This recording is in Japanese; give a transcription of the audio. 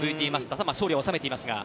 ただ勝利は収めていますが。